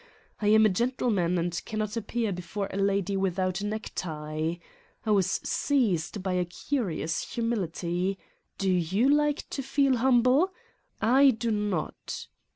I am a gentleman and cannot appear before a lady without a necktie, I was seized by a curious humility. Do you like to feel humble! I do not.